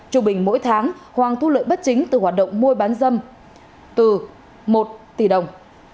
trung bình mỗi tháng hoàng thu lợi bất chính từ hoạt động mua bán dâm từ một tỷ đồng